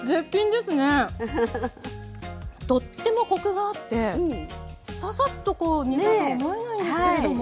とってもコクがあってささっとこう煮たと思えないんですけれども。